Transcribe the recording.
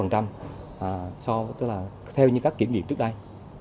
theo như các kiểm nghiệm trước đây